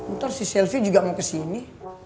ntar si selvi juga mau kesini